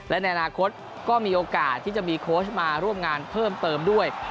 และในอนาคตก็มีโอกาสที่จะมีโค้ชมาร่วมงานเพิ่มเติมด้วย